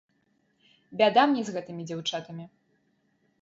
Бяда мне з гэтымі дзяўчатамі!